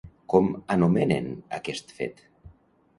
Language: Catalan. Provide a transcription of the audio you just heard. Com anomenen aquest fet?